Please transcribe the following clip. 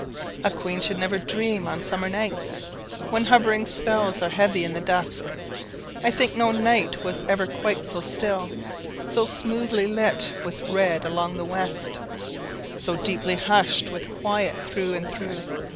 A queen should never dream on summer nights, When hovering spells are heavy in the dusk: I think no night was ever quite so still, So smoothly lit with red along the west, So deeply hushed with quiet through and through.